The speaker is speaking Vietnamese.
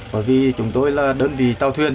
bởi vì chúng tôi là đơn vị tàu thuyền